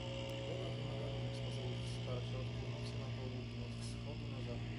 Gleba wymaga różnych sposobów wsparcia od północy na południe, od wschodu na zachód